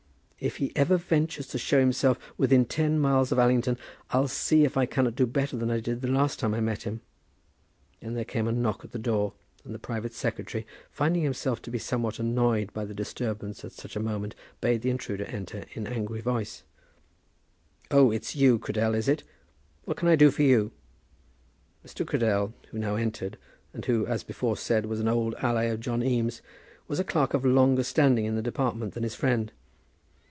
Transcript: If he ever ventures to show himself within ten miles of Allington, I'll see if I cannot do better than I did the last time I met him!" Then there came a knock at the door, and the private secretary, finding himself to be somewhat annoyed by the disturbance at such a moment, bade the intruder enter in angry voice. "Oh, it's you, Cradell, is it? What can I do for you?" Mr. Cradell, who now entered, and who, as before said, was an old ally of John Eames, was a clerk of longer standing in the department than his friend.